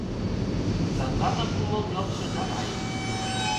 Садланак кумыл нöлтшö да лай.